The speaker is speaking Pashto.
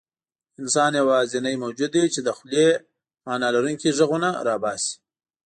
انسان یواځینی موجود دی، چې له خولې معنیلرونکي غږونه راباسي.